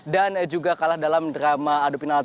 dan juga kalah dalam drama adu final